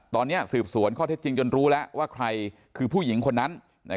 ตอนนี้สืบสวนข้อเท็จจริงจนรู้แล้วว่าใครคือผู้หญิงคนนั้น